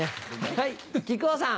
はい木久扇さん。